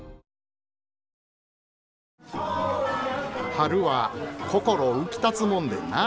春は心浮きたつもんでんなぁ。